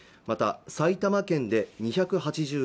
また埼玉県で２８１人